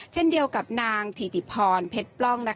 เช่นเดียวกับนางถิติพรเพชรปล้อง